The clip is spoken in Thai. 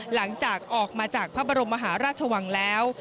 หลังจากออกมาจากพระบรมมหาราชวังแล้ว